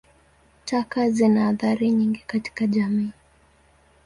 Taka zina athari nyingi katika jamii.